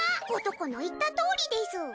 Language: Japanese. ことこの言ったとおりです。